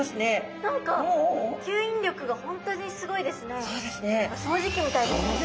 何か吸引力が本当にすごいですね。